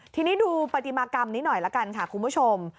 ทีนี้ดูปฏิมากรรมนี้หน่อยละกันค่ะคุณผู้ชม